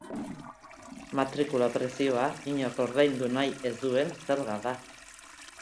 Matrikula prezioa, inork ordaindu nahi ez duen zerga da.